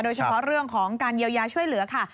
โดยเฉพาะเรื่องของการเยียวยาช่วยเหลือค่ะ